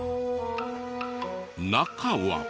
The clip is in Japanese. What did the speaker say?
中は。